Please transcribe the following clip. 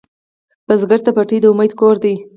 بزګر ته پټی د امید کور دی